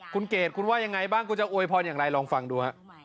คุณเกดคุณว่ายังไงบ้างคุณจะอวยพรอย่างไรลองฟังดูฮะ